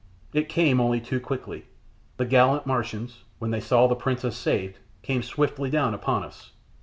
It came only too quickly. The gallant Martians, when they saw the princess saved, came swiftly down upon us.